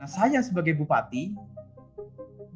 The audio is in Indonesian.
saya sebagai bupati lumajang